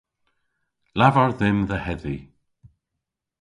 Lavar dhymm dhe hedhi.